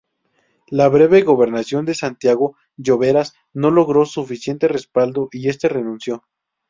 La breve gobernación de Santiago Lloveras no logró suficiente respaldo, y este renunció.